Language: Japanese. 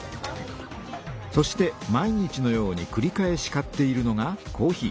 そして毎日のようにくり返し買っているのがコーヒー。